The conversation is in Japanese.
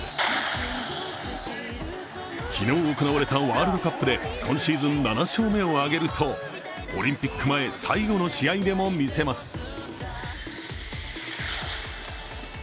昨日行われたワールドカップで今シーズン７勝目を挙げるとオリンピック前最後の試合でも見せます。